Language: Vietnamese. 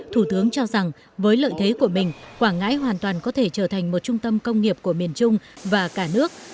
thủ tướng cho rằng với lợi thế của mình quảng ngãi hoàn toàn có thể trở thành một trung tâm công nghiệp của miền trung và cả nước